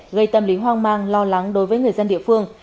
gây tâm lý hoang mang lo lắng đối với người dân địa phương